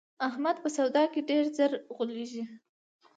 احمد په سودا کې ډېر زر غولېږي.